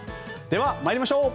では参りましょう。